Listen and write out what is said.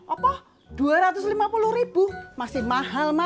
apa dua ratus lima puluh ribu masih mahal mahal